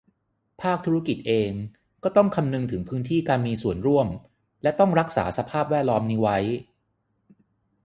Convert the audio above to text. ภาคธุรกิจเองก็ต้องคำนึงถึงพื้นที่การมีส่วนร่วม และ ต้องรักษาสภาพแวดล้อมนี้ไว้